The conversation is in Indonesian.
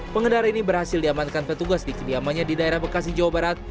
pengendara ini berhasil diamankan petugas di kediamannya di daerah bekasi jawa barat